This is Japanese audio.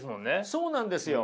そうなんですよ。